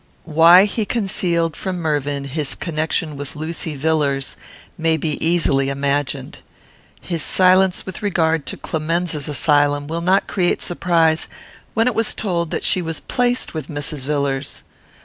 Why he concealed from Mervyn his connection with Lucy Villars may be easily imagined. His silence with regard to Clemenza's asylum will not create surprise, when it was told that she was placed with Mrs. Villars.